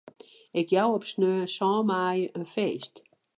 Ik jou op sneon sân maaie in feest.